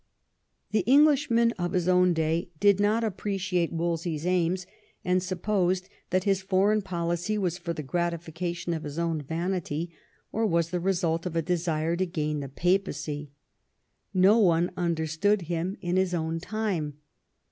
The Englishmen of his own day did not appreciate XI THE WORK OF WOLSEY 219 Wolse/s aims, and supposed that his foreign policy was for the gratification of his own vanity, or was the result of a desire to gain the Papacy. No one understood him in his own time.